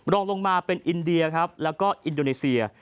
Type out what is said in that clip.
รองลงมาเป็นอินเดียครับแล้วก็อินโดนีเซีย